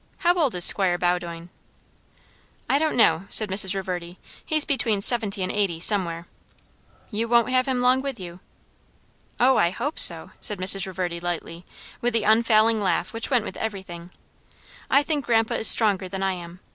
How old is Squire Bowdoin?" "I don't know," said Mrs. Reverdy. "He's between seventy and eighty, somewhere." "You won't have him long with you." "O, I hope so!" said Mrs. Reverdy lightly, and with the unfailing laugh which went with everything; "I think grandpa is stronger than I am.